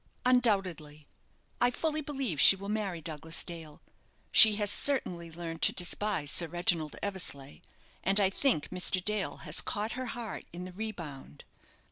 "Undoubtedly I fully believe she will marry Douglas Dale. She has certainly learned to despise Sir Reginald Eversleigh, and I think Mr. Dale has caught her heart in the rebound."